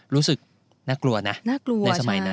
รู้สึกนักกลัวนะในสมัยนั้น